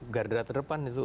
gardera terdepan itu